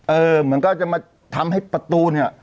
เออหรือมันก็จะมาทำให้ประตูนค่ะ